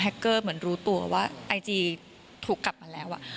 เกอร์เหมือนรู้ตัวว่าไอจีถูกกลับมาแล้ว